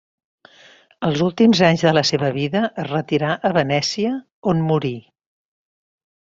Els últims anys de la seva vida es retirà a Venècia, on morí.